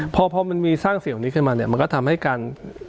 พอพอมันมีสร้างเสี่ยวนี้ขึ้นมาเนี่ยมันก็ทำให้การ